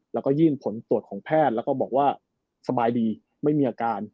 แล้วก็ยื่นผลตรวจของแพทย์แล้วก็บอกว่าสบายดีไม่มีอาการ